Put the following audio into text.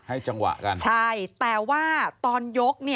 จังหวะกันใช่แต่ว่าตอนยก